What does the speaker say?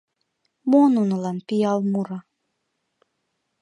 Мо нунылан пиал муро?